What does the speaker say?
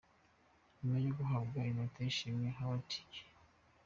Nyuma yo guhabwa impeta y’ishimwe, Howadi Gi.